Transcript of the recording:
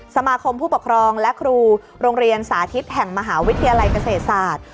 สมาคมผู้ปกครองและครูโรงเรียนสาธิตแห่งมหาวิทยาลัยเกษตรศาสตร์